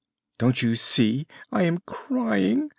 "Don't you see? I am crying!"